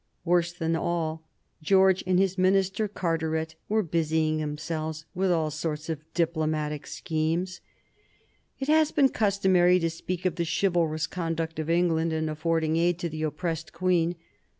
Worse than all, George and his minister Carteret were busying themselves with all sorts of diplomatic schemes. It has been customary to speak of the chivalrous conduct of England in affording aid to the oppressed queen.